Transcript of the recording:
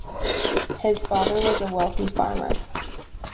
His father was a wealthy farmer.